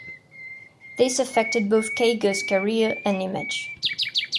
This affected both Kago's career and image.